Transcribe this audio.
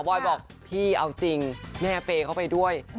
อยบอกพี่เอาจริงแม่เปย์เข้าไปด้วย